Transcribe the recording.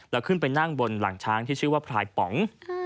แล้วขึ้นไปนั่งบนหลังช้างที่ชื่อว่าพลายป๋อง